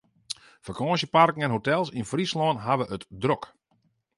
Fakânsjeparken en hotels yn Fryslân hawwe it drok.